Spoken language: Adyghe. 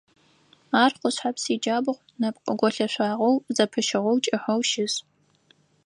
Ар Къушъхьэпс иджабгъу нэпкъ голъэшъуагъэу зэпыщыгъэу кӀыхьэу щыс.